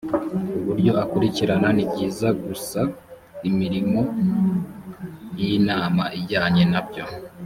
uburyo akurikirana nibyiza gusa imirimo y inama ijyanye nabyo